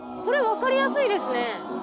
これわかりやすいですね。